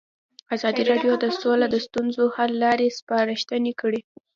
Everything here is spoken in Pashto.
ازادي راډیو د سوله د ستونزو حل لارې سپارښتنې کړي.